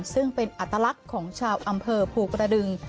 ซึ่งเป็นอัตลักษณ์ของชาวอำเภอภูกระดึง